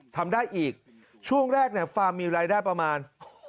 ทำได้อีกช่วงแรกเนี่ยฟาร์มมีรายได้ประมาณ